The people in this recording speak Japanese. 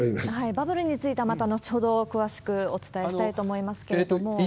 バブルについてはまた後ほど詳しくお伝えしたいと思いますけれども。